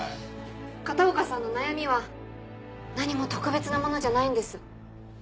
片岡さんの悩みは何も特別なものじゃないんです。